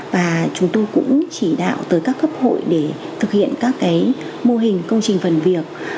và chúng tôi cũng chỉ đạo tới các cấp hội để thực hiện các mô hình công trình phần việc